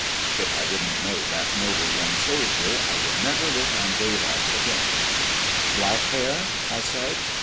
If I didn't know that noble young soldier, I would never look on daylight again! "Black hair?" I said.